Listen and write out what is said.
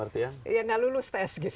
arti ya ya nggak lulus tes